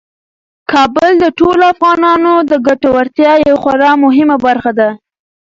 کابل د ټولو افغانانو د ګټورتیا یوه خورا مهمه برخه ده.